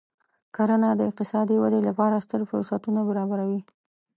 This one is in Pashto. کرنه د اقتصادي ودې لپاره ستر فرصتونه برابروي.